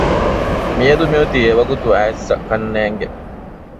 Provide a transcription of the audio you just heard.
މިއަދު މިއޮތީ އެވަގުތު އައިއްސަ ކަންނޭނގެ